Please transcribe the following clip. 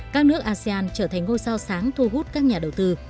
các nước asean trở thành ngôi sao sáng thu hút các nhà đầu tư